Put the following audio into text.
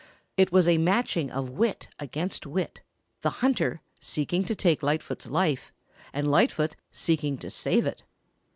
It was a matching of wit against wit, the hunter seeking to take Lightfoot's life, and Lightfoot seeking to save it.